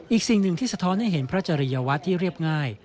อีกสิ่งหนึ่งที่สะท้อนให้เห็นพระจริยวัตรที่เรียบง่าย